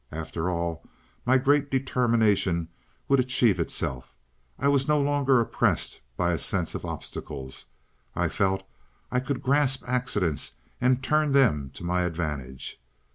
After all, my great determination would achieve itself. I was no longer oppressed by a sense of obstacles, I felt I could grasp accidents and turn them to my advantage.